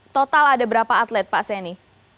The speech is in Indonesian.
total ada berapa atlet pak seni